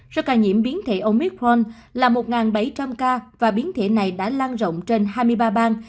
số ca nhiễm biến thể omithon là một bảy trăm linh ca và biến thể này đã lan rộng trên hai mươi ba bang